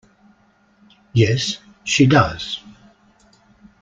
Yes, she does.